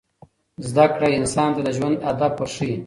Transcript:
زده کړه انسان ته د ژوند هدف ورښيي.